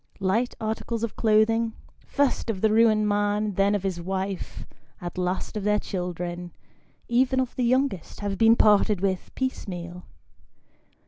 Light articles of clothing, first of the ruined man, then of his wife, at last of their children, even of 'the youngest, have been parted with, piecemeal.